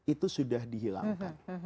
itu sudah dihilangkan